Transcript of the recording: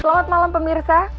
selamat malam pemirsa